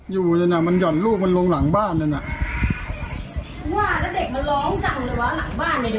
อย่าเอาที่สุดละร้องจังเลยเด็กร้องจังเลย